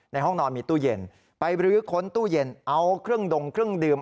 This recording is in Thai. ห้องนอนมีตู้เย็นไปรื้อค้นตู้เย็นเอาเครื่องดงเครื่องดื่ม